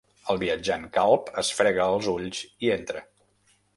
El viatjant calb es frega els ulls i entra.